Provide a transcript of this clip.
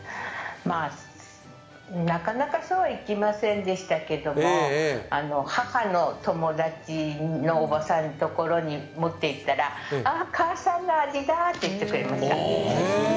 なかなかそうはいきませんでしたけども母の友達のおばさんところに持っていったら「あー、母さんの味だ！」って言ってくれました。